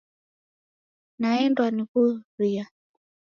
Naendwa ni w'uria.